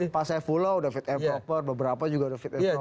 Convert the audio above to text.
pas saya follow udah fit and proper beberapa juga udah fit and proper